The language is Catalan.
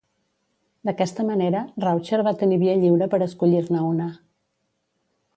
D'aquesta manera, Raucher va tenir via lliure per escollir-ne una.